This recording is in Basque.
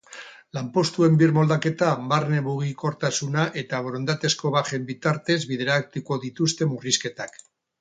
Lanpostuen birmoldaketa, barne mugikortasuna eta borondatezko bajen bitartez bideratuko dituzte murrizketak.